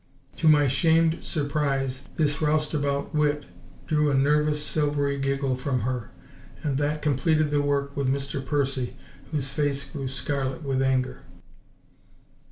To my shamed surprise, this roustabout wit drew a nervous, silvery giggle from her; and that completed the work with Mr. Percy, whose face grew scarlet with anger.